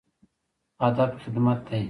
هدف خدمت دی